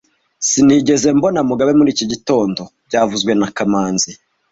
Sinigeze mbona Mugabe muri iki gitondo byavuzwe na kamanzi